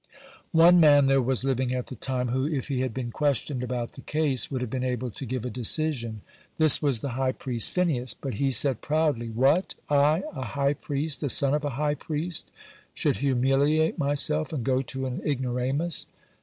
One man there was living at the time who, if he had been questioned about the case, would have been able to give a decision. This was the high priest Phinehas. But he said proudly: "What! I, a high priest, the son of a high priest, should humiliate myself and go to an ignoramus!"